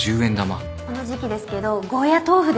この時季ですけどゴーヤトーフです